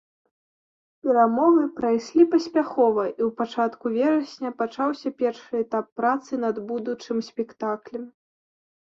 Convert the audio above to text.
Перамовы прайшлі паспяхова, і ў пачатку верасня пачаўся першы этап працы над будучым спектаклем.